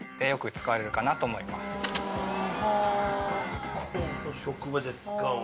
学校と職場で使うもの。